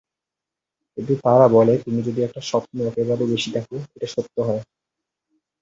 কিন্তু তারা বলে তুমি যদি একটা স্বপ্ন একবারের বেশি দেখো, এইটা সত্য হয়।